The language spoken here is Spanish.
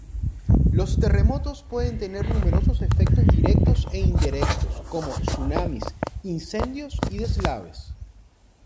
Los terremotos pueden tener numerosos efectos directos e indirectos como tsunamis, incendios y deslaves.